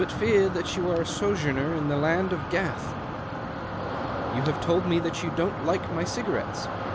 fear that you are a sojourner in the land )f Gath. You have told me that you don't ike my cigarettes.